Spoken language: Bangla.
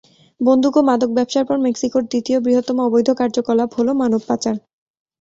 বন্দুক ও মাদক ব্যবসার পর মেক্সিকোর তৃতীয় বৃহত্তম অবৈধ কার্যকলাপ হল মানব পাচার।